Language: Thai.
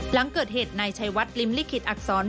หลังเกิดเหตุนายชัยวัดริมลิขิตอักษร